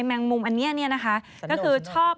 แมงมุมอันนี้เนี่ยนะคะก็คือชอบ